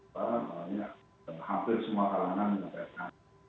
karena malah ya hampir semua halangan kita